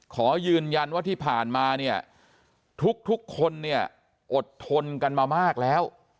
ขอยืนยันว่าที่ผ่านมาเนี่ยทุกคนเนี่ยอดทนกันมามากแล้ว